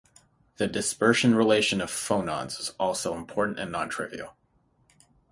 The dispersion relation of phonons is also important and non-trivial.